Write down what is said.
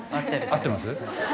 合ってます？